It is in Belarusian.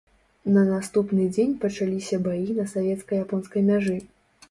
На наступны дзень пачаліся баі на савецка-японскай мяжы.